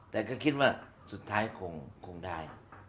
แต่ก็คิดว่าสุดท้ายคงได้